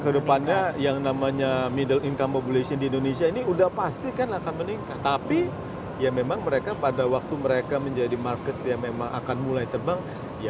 kedepannya yang namanya middle income population di indonesia ini udah pasti kan akan meningkat tapi ya memang mereka pada waktu mereka menjadi market yang memang akan mulai terbang